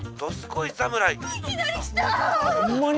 いきなりきた！